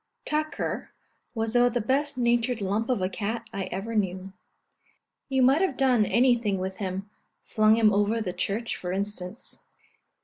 Tucker was about the best natured lump of a cat I ever knew. You might have done anything with him flung him over the church for instance.